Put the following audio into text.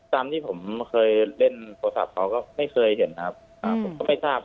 ตามที่ผมเคยเล่นโทรศัพท์เขาก็ไม่เคยเห็นครับอ่าผมก็ไม่ทราบ